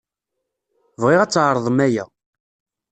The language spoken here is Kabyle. Bɣiɣ ad tɛeṛḍem aya.